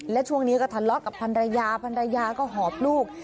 และช่วงนี้ก็ทะเลาะกับพันรยาพันรยาก็หอบลูก